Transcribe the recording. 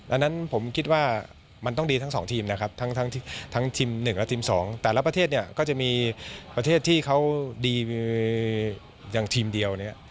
อันนั้นผมคิดว่ามันต้องดีทั้งสองทีมนะครับทั้งทีม๑และทีม๒แต่ละประเทศเนี่ยก็จะมีประเทศที่เขาดีอย่างทีมเดียวเนี่ย